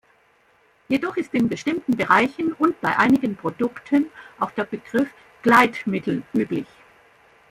Jedoch ist in bestimmten Bereichen und bei einigen Produkten auch der Begriff Gleitmittel üblich.